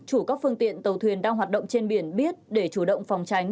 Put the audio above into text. chủ các phương tiện tàu thuyền đang hoạt động trên biển biết để chủ động phòng tránh